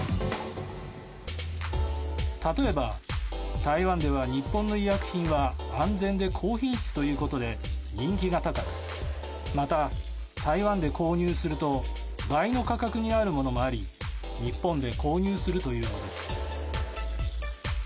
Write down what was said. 例えば、台湾では日本の医薬品は安全で高品質ということで人気が高くまた、台湾で購入すると倍の価格になるものもあり日本で購入するというのです。